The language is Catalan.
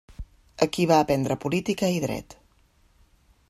Aquí va aprendre política i dret.